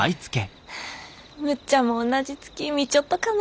むっちゃんもおんなじ月見ちょっとかな。